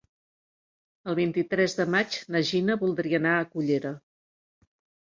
El vint-i-tres de maig na Gina voldria anar a Cullera.